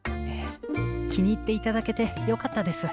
気に入って頂けてよかったです。